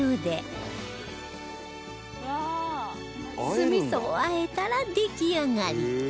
酢味を和えたら出来上がり